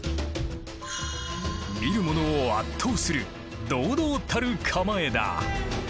見る者を圧倒する堂々たる構えだ。